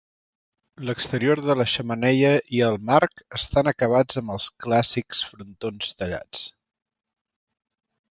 L'exterior de la xemeneia i el marc estan acabats amb els clàssics frontons tallats.